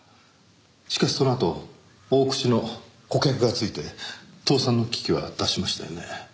しかしそのあと大口の顧客がついて倒産の危機は脱しましたよね？